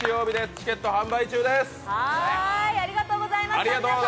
チケット販売中です。